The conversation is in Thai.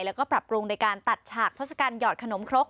แล้วก็ปรับปรุงในการตัดฉากทศกัณฐอดขนมครก